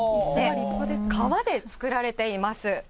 革で作られています。